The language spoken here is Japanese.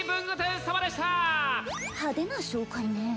派手な紹介ね。